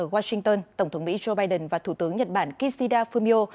ở washington tổng thống mỹ joe biden và thủ tướng nhật bản kishida fumio